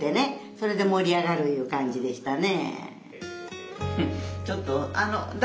それで盛り上がるいう感じでしたね。